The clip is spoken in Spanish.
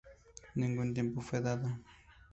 Ningún tiempo fue dado.